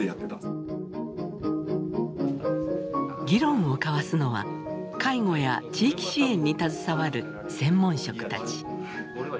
議論を交わすのは介護や地域支援に携わる専門職たち。